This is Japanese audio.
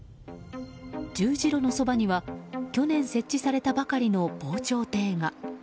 十字路のそばには去年設置されたばかりの防潮堤が。